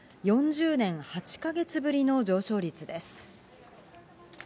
４０年８か月ぶりの上昇率です。